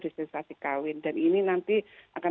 dispensasi kawin dan ini nanti akan